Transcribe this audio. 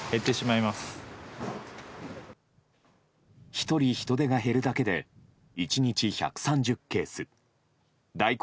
１人、人手が減るだけで１日１３０ケース大根